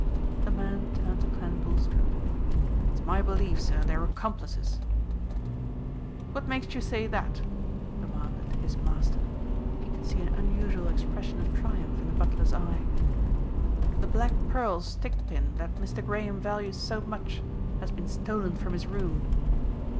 The man turned to Clent Bulstrode. "It's my belief, sir, they're accomplices." "What makes you say that?" demanded his master. He could see an unusual expression of triumph in the butler's eye. "The black pearl stick pin that Mr. Graham values so much has been stolen from his room."